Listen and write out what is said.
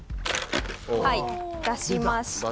はい出しまして。